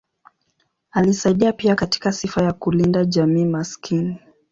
Alisaidia pia katika sifa ya kulinda jamii maskini.